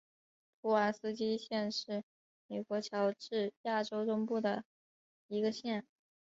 普瓦斯基县是美国乔治亚州中部的一个县。